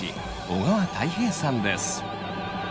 小川泰平さんです。